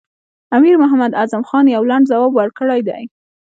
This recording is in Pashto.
امیر محمد اعظم خان یو لنډ ځواب ورکړی دی.